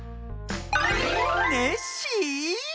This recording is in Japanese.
ネッシー？